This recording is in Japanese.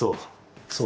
そう。